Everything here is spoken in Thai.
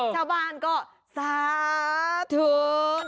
ท่าบานก็สะทบ